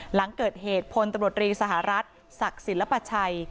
หลังเกิดเหตุพลตำรวจรีสหรัฐศักดิ์ศิลปชัย